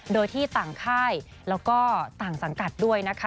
โดยที่ต่างค่ายแล้วก็ต่างสังกัดด้วยนะคะ